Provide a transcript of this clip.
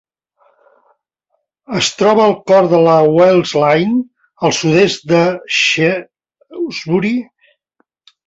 Es troba al cor de la Wales Line, al sud-oest de Shrewsbury.